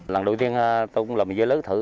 lần đầu tiên tôi cũng làm dưa lưới thử